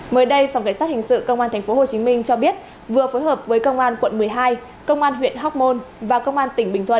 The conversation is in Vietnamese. mới đây phòng cảnh sát hình sự công an tp hcm cho biết vừa phối hợp với công an quận một mươi hai công an huyện hóc môn và công an tỉnh bình thuận